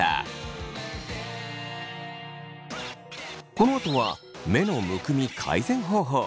このあとは目のむくみ改善方法。